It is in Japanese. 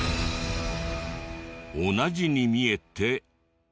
同じに見えて実は。